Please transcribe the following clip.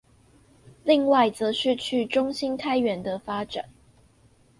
另外則是去中心開源的發展